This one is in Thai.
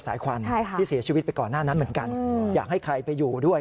ควันที่เสียชีวิตไปก่อนหน้านั้นเหมือนกันอยากให้ใครไปอยู่ด้วย